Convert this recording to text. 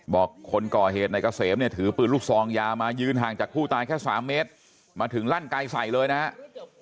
บอกคนก่อเหตุในเกษมเนี่ยถือปืนลูกซองยามายืนห่างจากผู้ตายแค่๓เมตรมาถึงลั่นไกลใส่เลยนะครับ